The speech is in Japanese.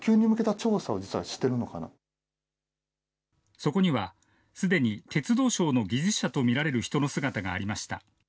そこには、すでに鉄道省の技術者と見られる人の姿がありました。